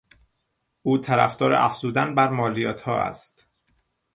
او طرفدار افزودن بر مالیاتها است.